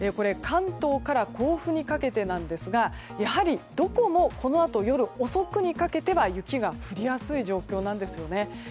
関東から甲府にかけてなんですがやはりどこもこのあと夜遅くにかけては雪が降りやすい状況なんですよね。